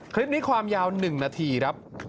คลิปนี้ความยาว๑นาทีครับ